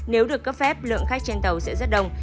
nếu được cấp phép lượng khách trên tàu sẽ rất đông